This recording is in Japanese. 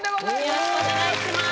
よろしくお願いします。